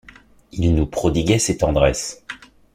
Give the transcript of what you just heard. Il nous prodiguait ses tendresses.